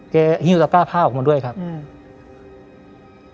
หิ้วตะก้าผ้าออกมาด้วยครับอืม